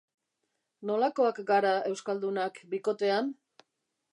Nolakoak gara euskaldunak bikotean?